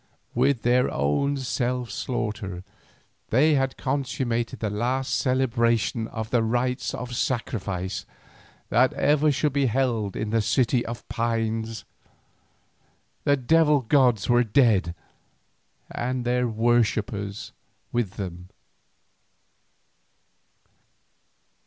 With their own self slaughter they had consummated the last celebration of the rites of sacrifice that ever shall be held in the City of Pines. The devil gods were dead and their worshippers with them.